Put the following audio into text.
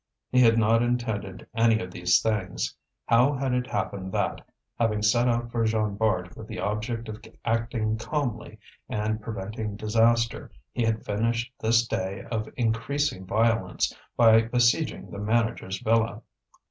He had not intended any of these things; how had it happened that, having set out for Jean Bart with the object of acting calmly and preventing disaster, he had finished this day of increasing violence by besieging the manager's villa?